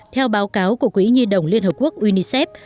theo báo cáo của quỹ nhi đồng liên hợp quốc unicef